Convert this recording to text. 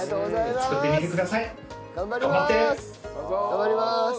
頑張ります！